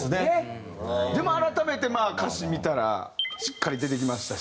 でも改めて歌詞見たらしっかり出てきましたし。